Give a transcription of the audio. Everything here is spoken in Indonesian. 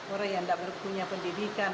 orang yang tidak punya pendidikan